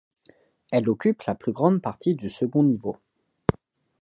Elle occupe la plus grande partie du second niveau.